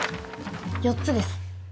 ４つです。